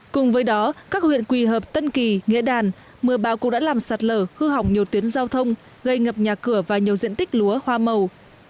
cùng với đó các huyện quỳ hợp tân kỳ nghĩa đàn mưa bão cũng đã làm sạt lở hư hỏng nhiều tuyến giao thông gây ngập nhà cửa và nhiều diện tích lúa hoa màu